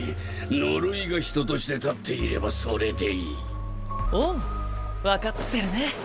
呪いが人として立っていればそれでいい。おっ分かってるね。